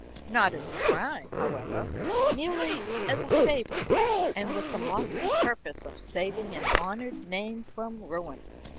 "Not as a crime, however, merely as a favor, and with the lofty purpose of saving an honored name from ruin.